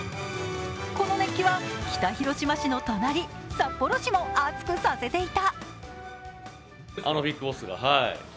この熱気は北広島市の隣・札幌市も熱くさせていた。